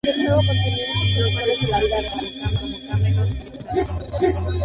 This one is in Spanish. Siguió apareciendo en producciones como "Camelot", "Meet Me In St.